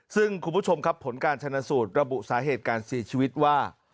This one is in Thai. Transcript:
ซึ่งคุณผู้ชมครับผลการชนะสูตรระบุสาเหตุการเสียชีวิตว่า